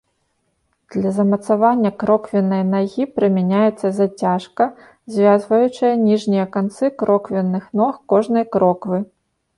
Для замацавання кроквеннай нагі прымяняецца зацяжка, звязваючая ніжнія канцы кроквенных ног кожнай кроквы.